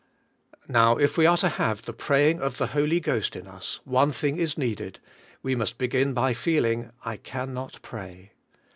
Now if we are to have the praying of the Holy Ghost in us one thing is needed; we must begin by feeling, " I can not pray.''